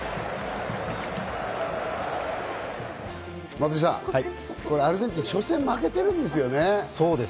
松井さん、アルゼンチン、初戦、負けてるんですよね。